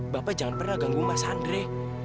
bapak jangan pernah ganggu mas andre